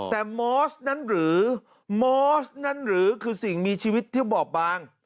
แต่มอสนั้นหรือคือสิ่งมีชีวิตที่บอกบาง